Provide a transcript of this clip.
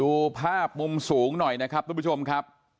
ดูภาพมุมสูงหน่อยนะครับทุกผู้ชมครับ